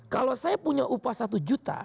kalau saya punya upah satu juta